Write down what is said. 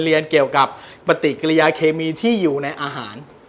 เรียนเกี่ยวกับปฏิกิริยาเคมีที่อยู่ในอาหาร